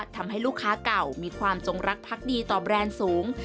ทำให้ลูกค้าเก่ามีความจงรักพักดีต่อแบรนด์สูง